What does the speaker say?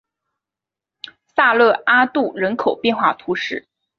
萨勒阿杜人口变化图示